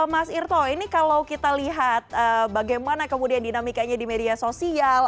mas irto ini kalau kita lihat bagaimana kemudian dinamikanya di media sosial